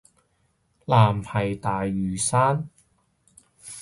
藍係大嶼山